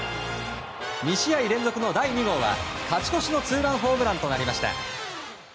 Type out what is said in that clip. ２試合連続の第２号は勝ち越しのツーランホームランとなりました。